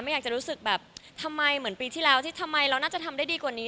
อยากจะรู้สึกแบบทำไมเหมือนปีที่แล้วที่ทำไมเราน่าจะทำได้ดีกว่านี้